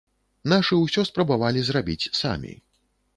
Нашы ўсё спрабавалі зрабіць самі.